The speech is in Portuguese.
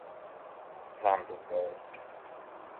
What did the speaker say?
thunderbird